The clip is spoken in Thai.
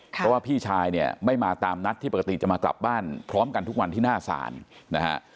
เพราะว่าพี่ชายเนี่ยไม่มาตามนัดที่ปกติจะมากลับบ้านพร้อมกันทุกวันที่หน้าศาลนะฮะ